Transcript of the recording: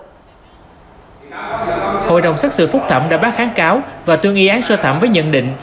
hội đồng xét xử phúc thẩm đã bắt kháng cáo và tương y án sơ thẩm với nhận định